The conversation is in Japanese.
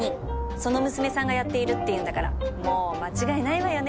その娘さんがやっているっていうんだからもう間違いないわよね